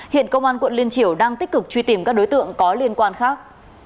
hiện công an quận liên triều đang tích cực truy tìm các đối tượng có liên quan khác